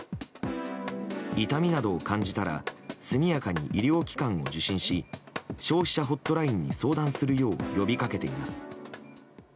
痛みなどを感じたら速やかに医療機関を受診し消費者ホットラインに相談するよう呼び掛けています。